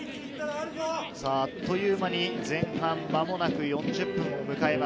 あっという間に前半間もなく４０分を迎えます。